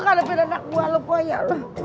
karena pindah anak buah lu payah